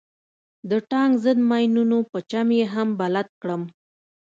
د ټانک ضد ماينونو په چم يې هم بلد کړم.